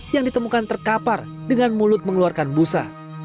yang ditemukan terkapar dengan mulut mengeluarkan busa